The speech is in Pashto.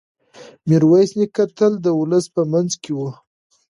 میرویس نیکه تل د ولس په منځ کې و.